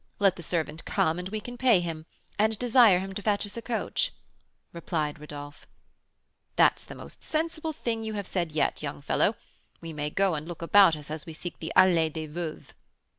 Let the servant come and we can pay him, and desire him to fetch us a coach," replied Rodolph. "That's the most sensible thing you have said yet, young fellow; we may go and look about as we seek the Allée des Veuves."